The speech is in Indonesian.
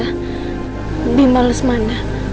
lebih males mana